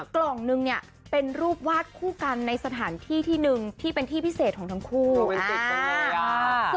กล่องหนึ่งเนี้ยเป็นรูปวาดคู่กันในสถานที่ที่หนึ่งที่เป็นที่พิเศษของทั้งคู่โรแมนติกส์เลยอ่ะ